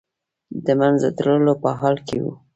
د منځه تللو په حال کې و.